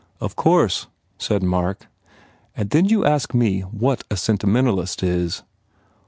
"Of course," said Mark. "And then you ask me what a sentimentalist is!"